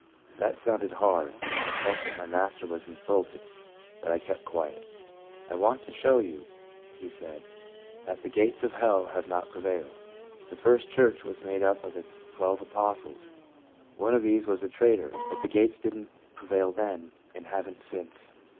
That sounded hard, and I felt that my Master was insulted, but I kept quiet. " I want to show you," he said, " that the gates of hell have not prevailed. The first church was made up of the twelve apostles. One of these was a traitor; but the gates did n't prevail then, and have n't since.